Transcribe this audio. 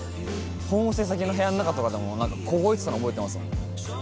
ホームステイ先の部屋の中とかでも凍えてたの覚えてますもん。